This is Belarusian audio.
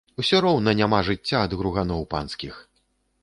Усё роўна няма жыцця ад груганоў панскіх.